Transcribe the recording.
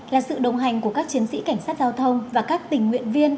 là sự đồng hành của các chiến sĩ cảnh sát giao thông và các tình nguyện viên